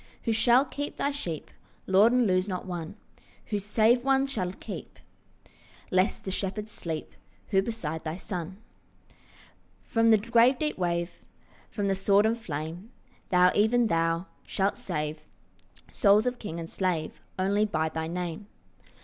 Who shall keep thy sheep, Lord, and lose not one? Who save one shall keep, Lest the shepherds sleep? Who beside the Son? From the grave deep wave, From the sword and flame, Thou, even thou, shalt save Souls of king and slave Only by thy Name.